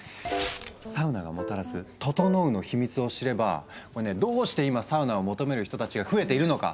サウナがもたらす「ととのう」の秘密を知ればどうして今サウナを求める人たちが増えているのか？